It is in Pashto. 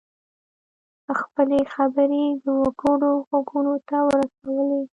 خپلې خبرې د وګړو غوږونو ته ورسولې.